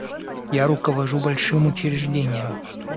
Я руковожу большим учреждением.